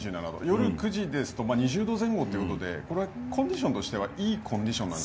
夜９時ですと、２０度前後ということで、これはコンディションとしては、いいコンディションなん